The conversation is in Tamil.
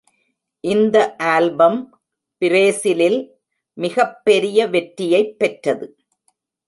இந்த ஆல்பம் பிரேசிலில் மிகப்பெரிய வெற்றியைப் பெற்றது.